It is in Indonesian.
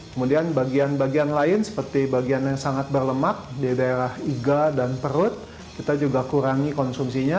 kemudian bagian bagian lain seperti bagian yang sangat berlemak di daerah iga dan perut kita juga kurangi konsumsinya